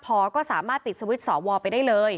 โหวตตามเสียงข้างมาก